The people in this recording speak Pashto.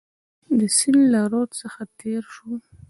د سیند له رود څخه تېر شو.